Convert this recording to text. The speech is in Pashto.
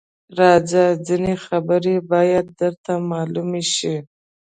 _راځه! ځينې خبرې بايد درته مالومې شي.